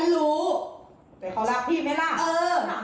ให้เขารับรู้กันเลยนี่สิ่งเท่าไหร่แบ่งกัน